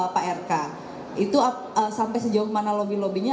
pak rk itu sampai sejauh mana lobby lobbynya